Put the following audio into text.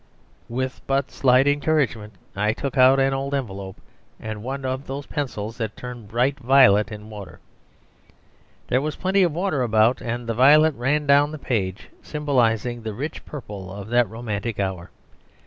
With but slight encouragement, I took out an old envelope and one of those pencils that turn bright violet in water. There was plenty of water about, and the violet ran down the paper, symbolising the rich purple of that romantic hour.